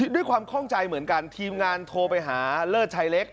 ข้องใจเหมือนกันทีมงานโทรไปหาเลิศชายเล็ก